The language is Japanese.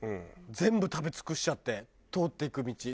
全部食べ尽くしちゃって通っていく道。